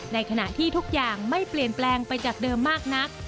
ในขณะที่ทุกอย่างไม่เปลี่ยนแปลงไปจากเดิมมากนัก